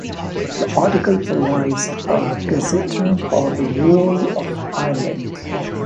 This article provides a gazetteer for the whole of Ireland.